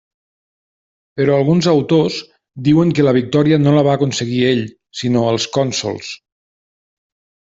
Però alguns autors diuen que la victòria no la va aconseguir ell, sinó els cònsols.